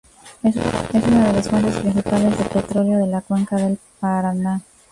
Es una de las fuentes principales de petroleo de la cuenca del Paraná.